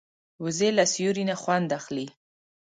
وزې له سیوري نه خوند اخلي